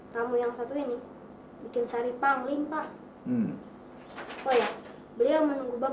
kamu yang satu ini bikin sari panglim pak